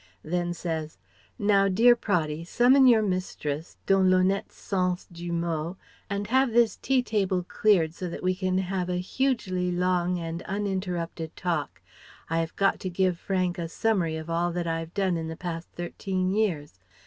Then says, "Now, dear Praddy, summon your mistress, dons l'honnête sens du mot, and have this tea table cleared so that we can have a hugely long and uninterrupted talk. I have got to give Frank a summary of all that I've done in the past thirteen years.